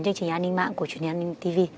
chương trình an ninh mạng của chuyên gia an ninh tv